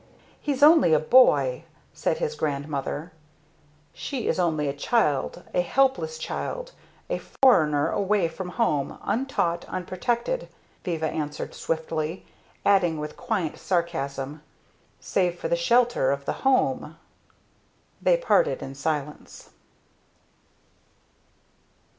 "He's only a boy!" said his grandmother. "She is only a child, a helpless child, a foreigner, away from home, untaught, unprotected," Viva answered swiftly; adding with quiet sarcasm "Save for the shelter of the home!" They parted in silence.